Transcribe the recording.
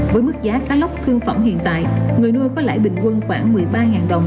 với mức giá cá lóc thương phẩm hiện tại người nuôi có lãi bình quân khoảng một mươi ba đồng